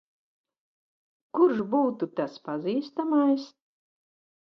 Kurš būtu tas pazīstamais?